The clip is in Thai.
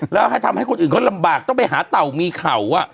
แล้วให้ทำให้คนอื่นเขาลำบากต้องไปหาเต่ามีเข่า